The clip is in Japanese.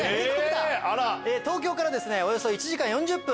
東京からおよそ１時間４０分。